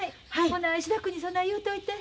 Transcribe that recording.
ほな石田君にそない言うといて。